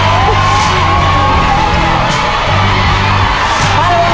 ระวังมือด้วยนะครับ